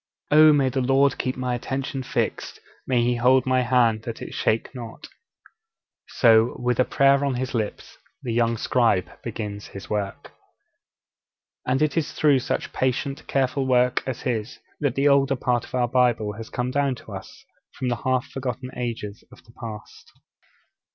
'Oh, may the Lord keep my attention fixed, may He hold my hand that it shake not!' So, with a prayer on his lips, the young scribe begins his work. And it is through such patient, careful work as his that the older part of our Bible has come down to us from the half forgotten ages of the past.